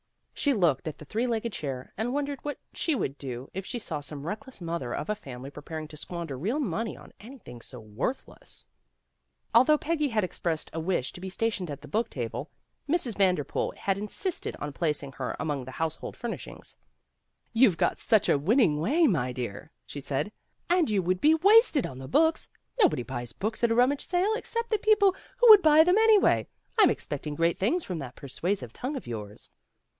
She looked at the three legged chair and wondered what she would do if she saw some reckless mother of a family preparing to squander real money on anything so worthless. THE RUMMAGE SALE 77 Although Peggy had expressed a wish to be stationed at the book table, Mrs. Vanderpool had insisted on placing her among the house hold furnishings. "You've got such a win ning way, my dear," she said, "and you would be wasted on the books. Nobody buys books at a rummage sale except the people who would buy them anyway. I'm expecting great things from that persuasive tongue of yours."